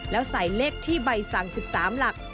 แล้วใส่เลขที่ใบสั่ง๑๓หลัก